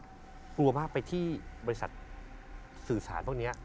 กลัวมากไปที่บริษัทสื่อสารพวกนี้